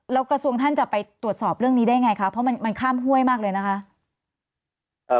แล้วกระทรวงท่านจะไปตรวจสอบเรื่องนี้ได้ไงคะเพราะมันข้ามห้วยมากเลยนะคะ